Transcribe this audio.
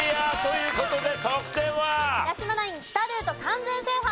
八嶋ナイン北ルート完全制覇。